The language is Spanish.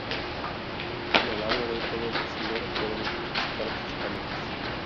A lo largo de todo este sendero pueden encontrarse cabras hispánicas.